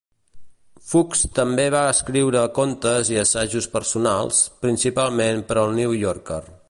Fuchs també va escriure contes i assajos personals, principalment per al "New Yorker".